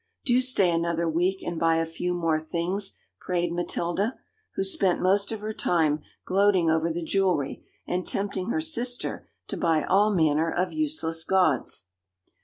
Do stay another week and buy a few more things,' prayed Matilda, who spent most of her time gloating over the jewelry, and tempting her sister to buy all manner of useless gauds.